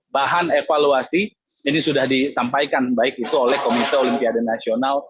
bahan evaluasi ini sudah disampaikan baik itu oleh komite olimpiade nasional